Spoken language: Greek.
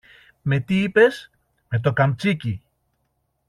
Με τι, είπες; Με το καμτσίκι!